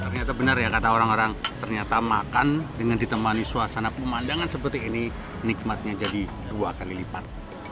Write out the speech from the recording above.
ternyata benar ya kata orang orang ternyata makan dengan ditemani suasana pemandangan seperti ini nikmatnya jadi dua kali lipat